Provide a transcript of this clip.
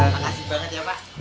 makasih banget ya pak